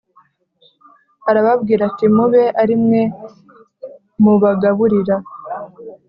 Arababwira ati Mube ari mwe mubagaburira